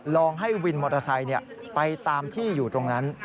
ลองให้วินมอเตอร์ไซค์ไปตามที่อยู่ตรงนั้น